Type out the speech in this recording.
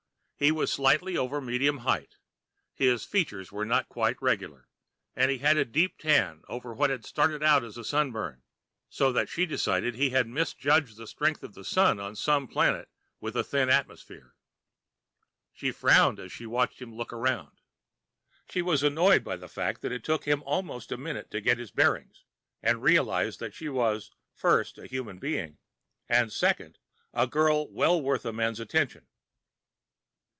He was slightly over medium height, his features were not quite regular, and he had a deep tan over what had started out as a sunburn, so that she decided he had misjudged the strength of the sun on some planet with a thin atmosphere. She frowned as she watched him look around. She was annoyed by the fact that it took him almost a minute to get his bearings and realize that she was first, a human being and second, a girl well worth a man's attention.